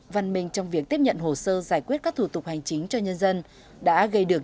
văn minh trong việc tiếp nhận hồ sơ giải quyết các thủ tục hành chính cho nhân dân đã gây được